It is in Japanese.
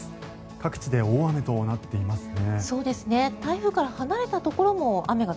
各地で大雨となっていますね。